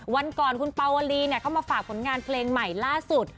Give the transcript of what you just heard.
วันก่อนคุณปาวลีเข้ามาฝากผลงานเพลงใหม่ล่าสุด